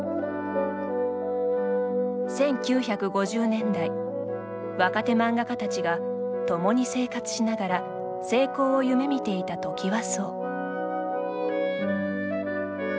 １９５０年代若手漫画家たちが共に生活しながら成功を夢みていたトキワ荘。